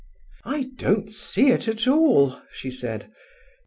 "I don't see it at all," she said.